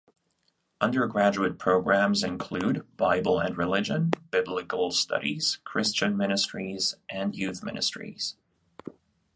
Undergraduate programs include: Bible and Religion, Biblical Studies, Christian Ministries, and Youth Ministries.